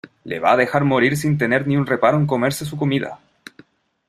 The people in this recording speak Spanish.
le va a dejar morir sin tener ni un reparo en comerse su comida.